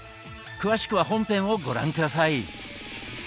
詳しくは本編をご覧下さい。